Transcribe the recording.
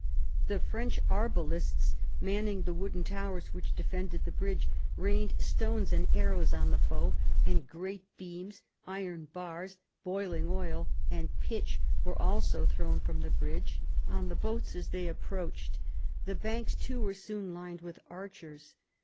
The French arbalists manning the wooden towers which defended the bridge rained stones and arrows on the foe, and great beams, iron bars, boiling oil, and pitch were also thrown from the bridge on the boats as they approached ; the banks too were soon lined with archers.